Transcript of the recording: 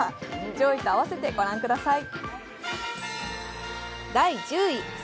上位と合わせてご覧ください。